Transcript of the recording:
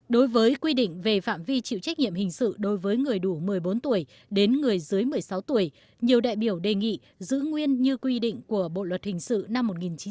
đối với quy định về phạm vi chịu trách nhiệm hình sự đối với người đủ một mươi bốn tuổi đến người dưới một mươi sáu tuổi nhiều đại biểu đề nghị giữ nguyên như quy định của bộ luật hình sự năm một nghìn chín trăm năm mươi